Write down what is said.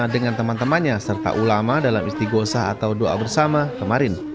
dengan teman temannya serta ulama dalam istiqosah atau doa bersama kemarin